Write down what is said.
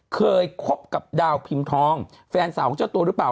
เคยคบกับดาวพิมพ์ทองแฟนสาวของเจ้าตัวหรือเปล่า